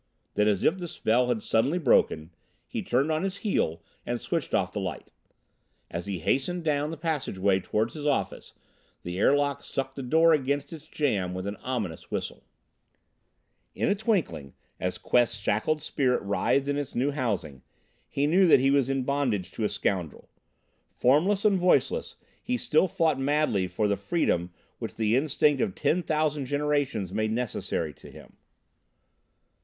Then, as if the spell had suddenly broken, he turned on his heel and switched off the light. As he hastened down the passageway toward his office, the airlock sucked the door against its jamb with an ominous whistle. In a twinkling, as Quest's shackled spirit writhed in its new housing, he knew that he was in bondage to a scoundrel. Formless and voiceless, he still fought madly for the freedom which the instinct of ten thousand generations made necessary to him.